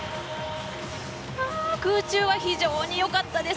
空中は非常に良かったです。